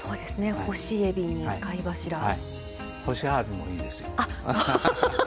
干しあわびもいいですよ。